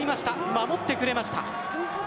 守ってくれました。